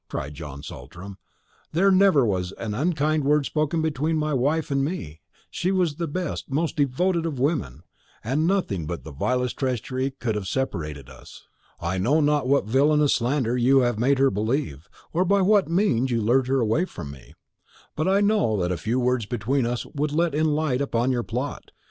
cried John Saltram, "there never was an unkind word spoken between my wife and me! She was the best, most devoted of women; and nothing but the vilest treachery could have separated us. I know not what villanous slander you have made her believe, or by what means you lured her away from me; but I know that a few words between us would let in the light upon your plot.